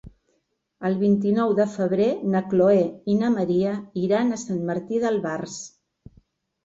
El vint-i-nou de febrer na Chloé i na Maria iran a Sant Martí d'Albars.